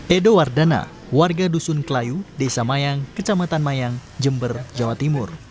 edo wardana warga dusun kelayu desa mayang kecamatan mayang jember jawa timur